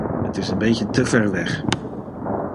Het is een beetje te ver weg.